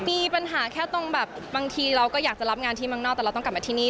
มีปัญหาแค่ตรงแบบบางทีเราก็อยากจะรับงานที่เมืองนอกแต่เราต้องกลับมาที่นี่